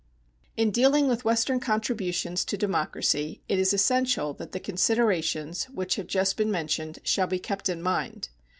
In dealing with Western contributions to democracy, it is essential that the considerations which have just been mentioned shall be kept in mind.